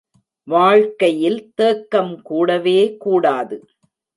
வாழ்க்கையில் தேக்கம் கூடவே கூடாது.